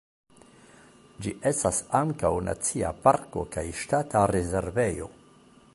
Ĝi estas ankaŭ nacia parko kaj ŝtata rezervejo.